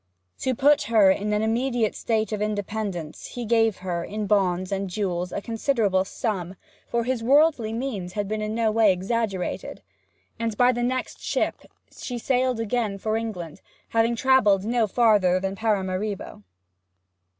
To put her in an immediate state of independence he gave her, in bonds and jewels, a considerable sum (for his worldly means had been in no way exaggerated); and by the next ship she sailed again for England, having travelled no farther than to Paramaribo.